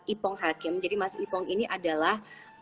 ipong hakim jadi mas ipong ini adalah